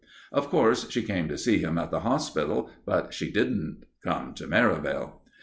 Of course, she came to see him at the hospital, but she didn't come to Merivale.